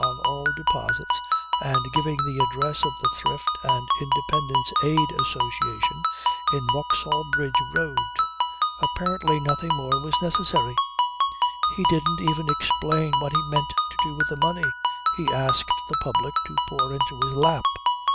on all deposits and giving the address of the Thrift and Independence Aid Association in Vauxhall Bridge Road. Apparently nothing more was necessary. He didn't even explain what he meant to do with the money he asked the public to pour into his lap.